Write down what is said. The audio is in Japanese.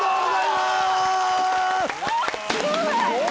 すごい！